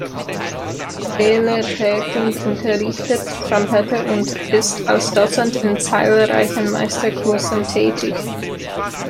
Steele-Perkins unterrichtet Trompete und ist als Dozent in zahlreichen Meisterkursen tätig.